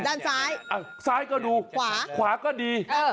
ด้านซ้ายซ้ายก็ดูขวาก็ดี